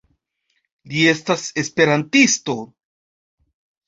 Li estas esperantisto